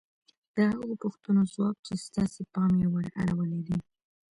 د هغو پوښتنو ځواب چې ستاسې پام يې ور اړولی دی.